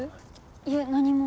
いえ何も。